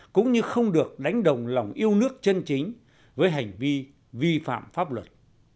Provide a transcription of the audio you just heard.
cũng như không được đánh đồng lòng yêu nước chân chính với hành vi vi phạm pháp luật